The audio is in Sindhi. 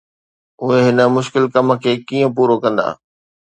اهي هن مشڪل ڪم کي ڪيئن پورو ڪندا؟